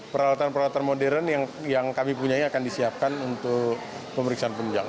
peralatan peralatan modern yang kami punyai akan disiapkan untuk pemeriksaan penunjang